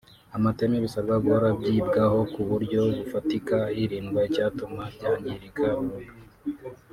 amateme bisabwa guhora byibwaho ku buryo bufatika hirindwa icyatuma byangirika burundu